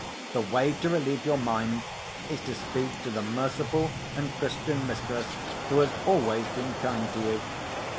"The way to relieve your mind is to speak to the merciful and Christian mistress who has always been kind to you."